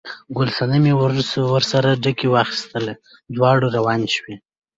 ګل صنمې ورسره ډکي واخیستل، دواړه روانې شوې.